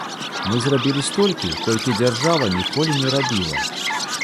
Мы зрабілі столькі, колькі дзяржава ніколі не рабіла.